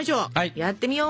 やってみよう！